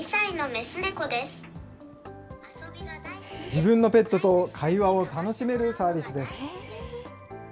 自分のペットと会話を楽しめるサービスです。